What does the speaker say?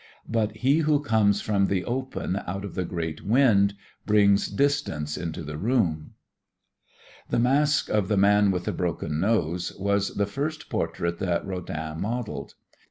But he who comes from the open out of the great wind brings distance into the room. The mask of "The Man with the Broken Nose" was the first portrait that Rodin modeled.